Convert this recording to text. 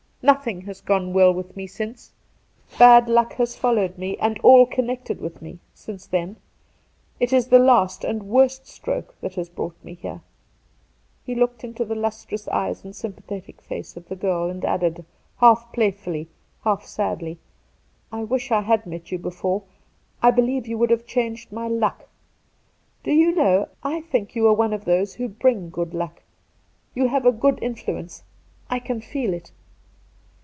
Nothing has gone well with me since. Bad luck has followed me and all connected with me since then. It is the last and worst stroke tliat has brought me here.' He looked into the lustrous eyes and sympathetic face of the girl, and added, half playfully, half sadly :' I wish I had met you before ; I believe you would have changed my luck. Do you know, I think you are one of those who bring good luck. You have a good influence — I can feel it.'